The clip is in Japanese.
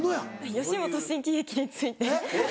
吉本新喜劇について。